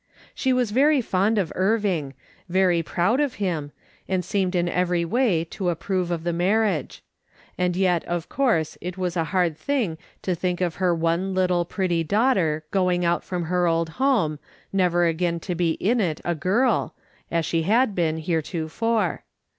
She was very fond of Irving, very proud of him, and seemed in every way to approve of the marriage : and yet of course it was a hard thing to think of her one little pretty daughter going out from her old home, never again to he in it, a girl, as she had been heretofore.